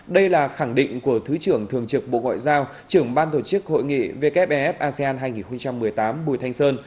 đây là khẳng định của thứ trưởng thường trực bộ ngoại giao trưởng ban tổ chức hội nghị wfef asean hai nghìn một mươi tám bùi thanh sơn